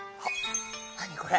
何これ？